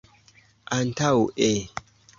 antaŭe